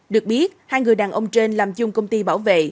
được biết hai người đàn ông trên làm chung công ty bảo vệ